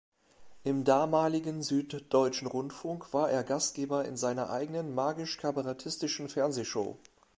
Im damaligen Süddeutschen Rundfunk war er Gastgeber in seiner eigenen magisch-kabarettistischen Fernsehshow.